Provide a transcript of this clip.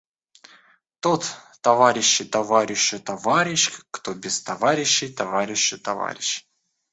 Тот, товарищи, товарищу товарищ, кто без товарищей товарищу товарищ.